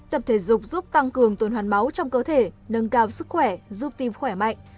tập thể dục giúp tăng cường tuần hoàn máu trong cơ thể nâng cao sức khỏe giúp tim khỏe mạnh